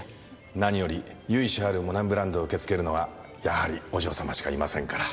何より由緒あるモナミブランドを受け継げるのはやはりお嬢様しかいませんから。